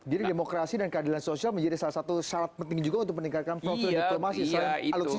jadi demokrasi dan keadilan sosial menjadi salah satu syarat penting juga untuk meningkatkan problem diklimatasi